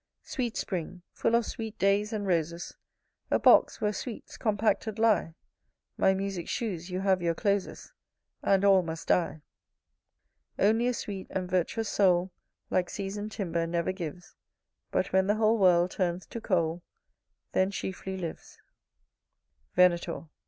Sweet spring, full of sweet days and roses, A box where sweets compacted lie; My music shews you have your closes, And all must die. Only a sweet and virtuous soul, Like season'd timber, never gives, But when the whole world turns to coal, Then chiefly lives. Venator.